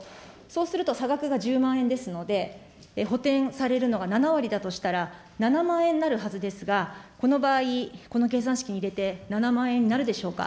そうすると差額が１０万円ですので、補填されるのが７割だとしたら、７万円になるはずですが、この場合、この計算式に入れて７万円になるでしょうか。